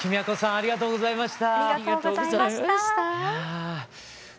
ありがとうございます。